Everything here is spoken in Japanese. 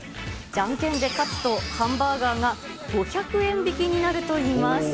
じゃんけんで勝つと、ハンバーガーが５００円引きになるといいます。